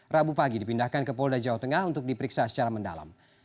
rabu pagi dipindahkan ke polda jawa tengah untuk diperiksa secara mendalam